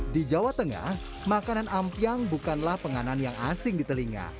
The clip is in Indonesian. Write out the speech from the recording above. di jawa tengah makanan ampiang bukanlah penganan yang asing di telinga